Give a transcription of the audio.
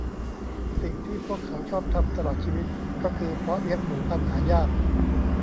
สิ่งที่พวกเขาชอบทำตลอดชีวิตก็คือเพาะเลี้ยงหมูพันธุ์หายาก